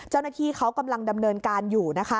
เจ้าหน้าที่เขากำลังดำเนินการอยู่นะคะ